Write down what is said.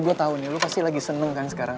gue tahu nih lo pasti lagi seneng kan sekarang